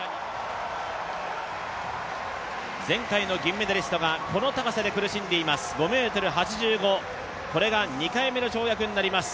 前回の銀メダリストがこの高さで苦しんでいます、５ｍ８５、これが２回目の跳躍になります。